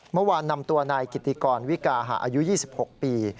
เมื่อวานนำตัวนายกิติกรวิกาหาอายุ๒๖ปี